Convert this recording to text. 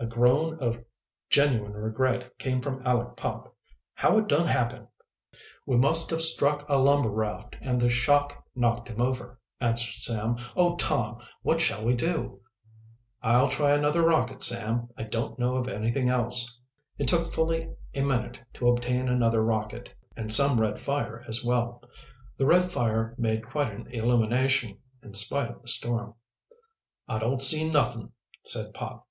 A groan of genuine regret came from Aleck Pop. "How it dun happen?" "We must have struck a lumber raft and the shock knocked him over," answered Sam. "Oh, Tom, what shall we do?" "I'll try another rocket, Sam I don't know of anything else." It took fully a minute to obtain another rocket, and some red fire as well. The red fire made quite an illumination, in spite of the storm. "I don't see nuffin," said Pop.